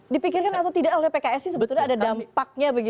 dipikirkan atau tidak oleh pks ini sebetulnya ada dampaknya begitu